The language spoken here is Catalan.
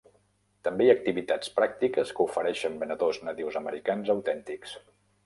També hi ha activitats pràctiques que ofereixen venedors nadius americans autèntics.